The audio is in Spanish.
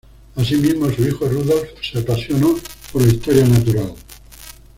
Asimismo su hijo Rudolf se apasionó por la Historia natural.